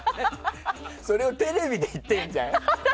それをテレビで言ってるじゃん。